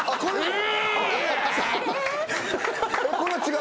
え！？